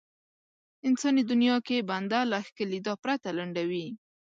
انساني دنيا کې بنده له ښکېلېدا پرته لنډوي.